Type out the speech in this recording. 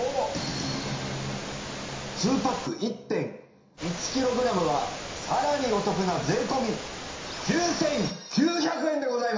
２パック１．１キログラムはさらにお得な税込９９００円でございます！